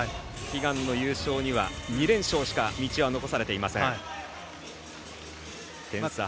悲願の優勝には２連勝しか道は残されていません。